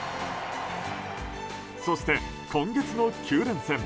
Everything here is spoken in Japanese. そして、今月の９連戦。